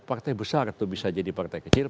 partai besar atau bisa jadi partai kecil